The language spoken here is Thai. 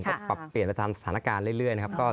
ก็ปรับเปลี่ยนไปตามสถานการณ์เรื่อยนะครับ